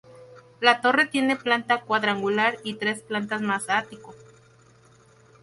La torre tiene planta cuadrangular y tres plantas más ático.